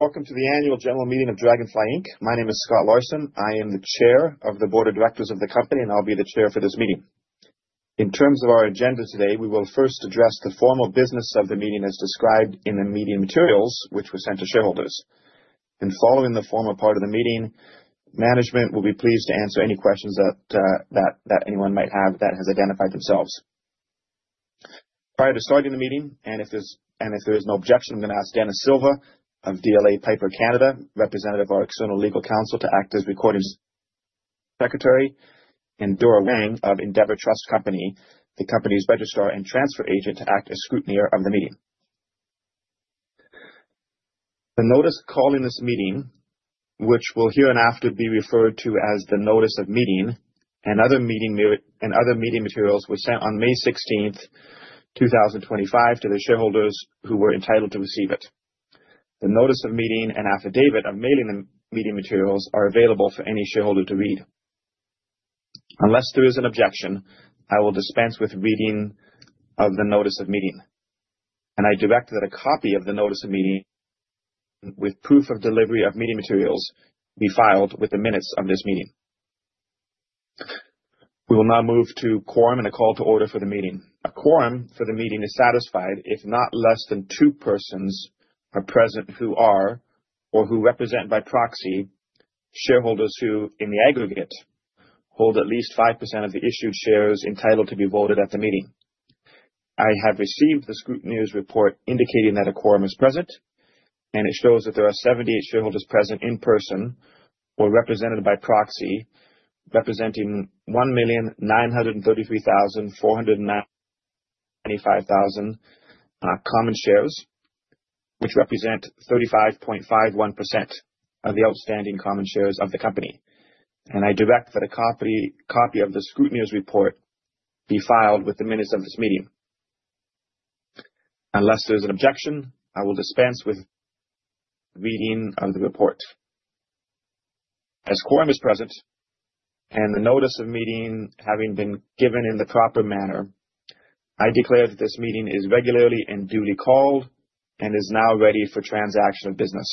Welcome to the annual general meeting of Draganfly Inc. My name is Scott Larson. I am the Chair of the Board of Directors of the company, and I'll be the chair for this meeting. In terms of our agenda today, we will first address the formal business of the meeting as described in the meeting materials, which were sent to shareholders. Following the formal part of the meeting, management will be pleased to answer any questions that anyone might have that has identified themselves. Prior to starting the meeting, and if there is no objection, I'm gonna ask Denis Silva of DLA Piper Canada, representative of our external legal counsel, to act as recording secretary, and Dora Wang of Endeavor Trust Corporation, the company's registrar and transfer agent, to act as scrutineer of the meeting. The notice calling this meeting, which will hereinafter be referred to as the Notice of Meeting, and other meeting materials were sent on May 16, 2025 to the shareholders who were entitled to receive it. The Notice of Meeting and affidavit of mailing the meeting materials are available for any shareholder to read. Unless there is an objection, I will dispense with reading of the Notice of Meeting, and I direct that a copy of the Notice of Meeting with proof of delivery of meeting materials be filed with the minutes of this meeting. We will now move to quorum and a call to order for the meeting. A quorum for the meeting is satisfied, if not less than two persons are present, who are, or who represent by proxy, shareholders who, in the aggregate, hold at least 5% of the issued shares entitled to be voted at the meeting. I have received the scrutineer's report indicating that a quorum is present, and it shows that there are 78 shareholders present in person or represented by proxy, representing 1,933,495 common shares, which represent 35.51% of the outstanding common shares of the company. I direct that a copy, copy of the scrutineer's report be filed with the minutes of this meeting. Unless there's an objection, I will dispense with reading of the report. As quorum is present, and the notice of meeting having been given in the proper manner, I declare that this meeting is regularly and duly called and is now ready for transaction of business.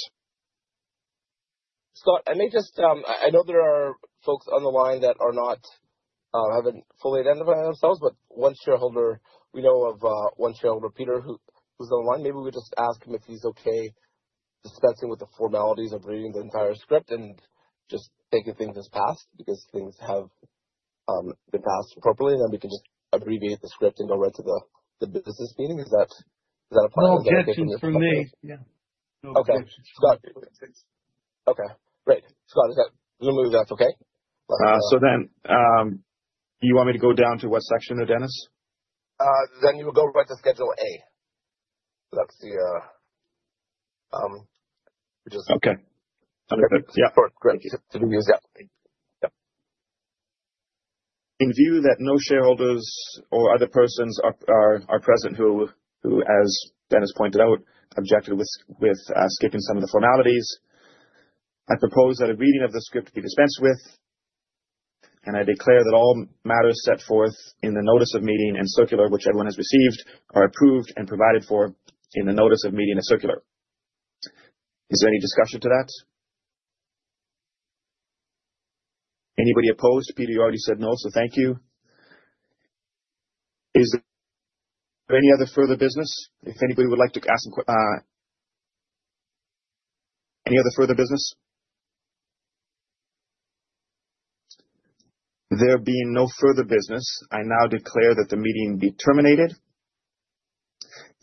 Scott, I may just, I know there are folks on the line that are not, haven't fully identified themselves, but one shareholder we know of, one shareholder, Peter, who's on the line, maybe we just ask him if he's okay dispensing with the formalities of reading the entire script and just taking things as passed, because things have been passed appropriately, and we can just abbreviate the script and go right to the business meeting. Is that a possible- No objections from me. Yeah. Okay. Scott. Okay, great. Scott, is that, we'll move that, okay? So then, you want me to go down to what section now, Denis? Then you will go right to Schedule A. That's the. Okay. Understood. Yeah. Great. To the yeah. In view that no shareholders or other persons are present, who as Denis pointed out objected with skipping some of the formalities, I propose that a reading of the script be dispensed with, and I declare that all matters set forth in the Notice of Meeting and circular, which everyone has received, are approved and provided for in the Notice of Meeting and circular. Is there any discussion to that? Anybody opposed? Peter, you already said no, so thank you. Is there any other further business? If anybody would like to ask any other further business? There being no further business, I now declare that the meeting be terminated.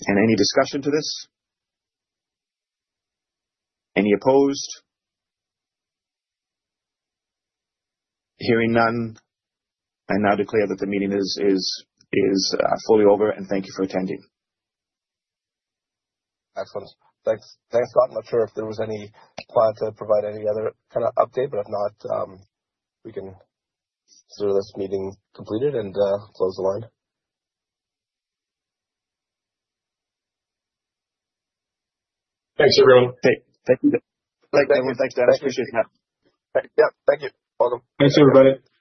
And any discussion to this? Any opposed? Hearing none, I now declare that the meeting is fully over, and thank you for attending. Excellent. Thanks. Thanks, Scott. I'm not sure if there was any plan to provide any other kind of update, but if not, we can consider this meeting completed and close the line. Thanks, everyone. Great. Thank you. Thank you. Thanks, guys. Appreciate it. Yeah. Thank you. Welcome. Thanks, everybody. Bye-bye.